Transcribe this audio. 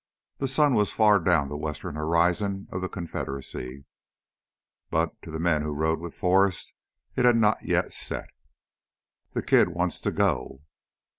The sun was far down the western horizon of the Confederacy, but to the men who rode with Forrest it had not yet set. "Th' kid wants to go...."